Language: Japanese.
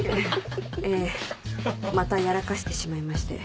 ええまたやらかしてしまいまして。